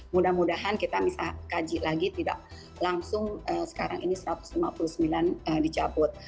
mudah mudahan kita bisa kaji lagi tidak langsung sekarang ini satu ratus lima puluh sembilan dicabut